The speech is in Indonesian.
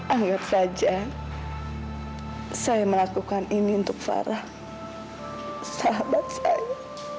anggap saja saya melakukan ini untuk farah sahabat saya